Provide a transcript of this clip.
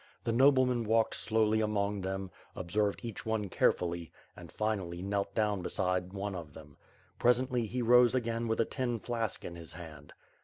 The nobleman walked slowly among them, observed each one care fully and, finally, knelt down beside one of them. Presently he rose again with a tin flask in his hand.